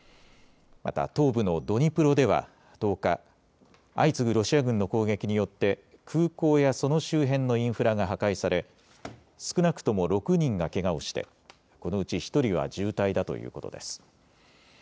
また東部のドニプロでは１０日、相次ぐロシア軍の攻撃によって空港やその周辺のインフラが破壊され少なくとも６人がけがをしてこのうち１人は重体だということです。